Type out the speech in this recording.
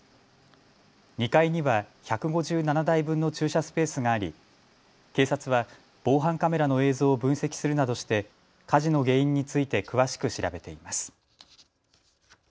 ２階には１５７台分の駐車スペースがあり警察は防犯カメラの映像を分析するなどして火事の原因について詳しく調べています。